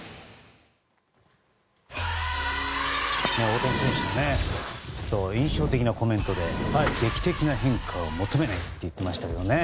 大谷選手の印象的なコメントで劇的な変化は求めないと言っていましたけどね。